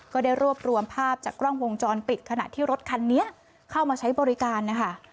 ก็ได้รวบรวมภาพจากกล้องวงจรปิดขณะที่รถคันนี้เข้ามาใช้บริการนะคะ